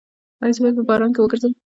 ایا زه باید په باران کې وګرځم؟